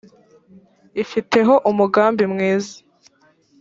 ifiteho umugambi mwiza.